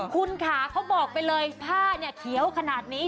คุณค่ะเขาบอกไปเลยผ้าเนี่ยเขียวขนาดนี้